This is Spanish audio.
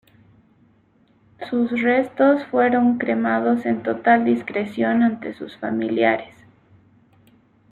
Sus restos fueron cremados en total discreción ante sus familiares.